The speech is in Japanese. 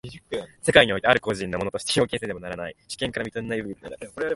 世界においてある個人の物として表現せられねばならない、主権から認められなければならない。